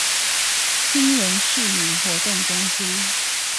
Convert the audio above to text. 興仁市民活動中心